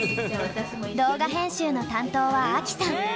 動画編集の担当はアキさん！